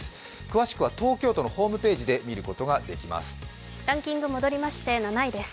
詳しくは東京都のホームページで見ることができます。